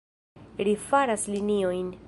Ri faras liniojn.